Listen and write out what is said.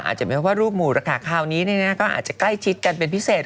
อาจจะไม่ว่ารูปหมู่ราคาคราวนี้ก็อาจจะใกล้ชิดกันเป็นพิเศษ